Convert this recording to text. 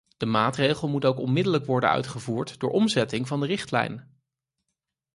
De maatregel moet ook onmiddellijk worden uitgevoerd door omzetting van de richtlijn.